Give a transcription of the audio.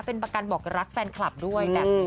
เป็นประกันบอกรักแฟนคลับด้วยแบบนี้